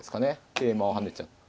桂馬を跳ねちゃって。